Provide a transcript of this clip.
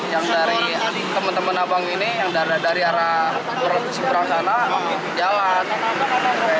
yang dari teman teman abang ini yang dari arah seberang sana jalan